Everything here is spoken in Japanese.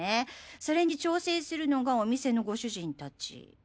それに挑戦するのがお店のご主人たち。